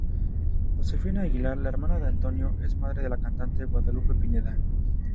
Josefina Aguilar, la hermana de Antonio, es madre de la cantante Guadalupe Pineda.